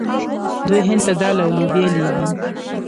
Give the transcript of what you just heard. دوی هند ته دال او لوبیا لیږي.